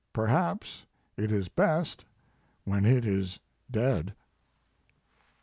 Perhaps it is best when it is dead."